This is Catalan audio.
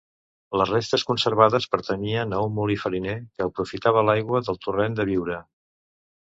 Les restes conservades pertanyien a un molí fariner que aprofitava l’aigua del torrent de Biure.